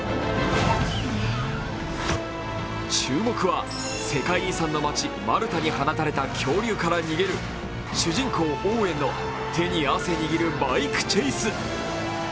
注目は、世界遺産の町、マルタに放たれた恐竜から逃げる主人公・オーウェンの手に汗握るバイクチェイス。